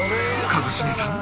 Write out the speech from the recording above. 一茂さん